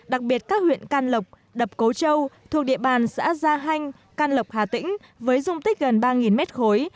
đặc biệt các huyện can lộc đập cố châu thuộc địa bàn xã gia hanh can lộc hà tĩnh với dung tích gần ba mét khối